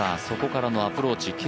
そこからのアプローチ。